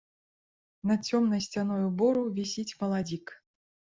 Над цёмнай сцяною бору вісіць маладзік.